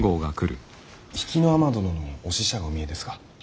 比企尼殿のお使者がお見えですが。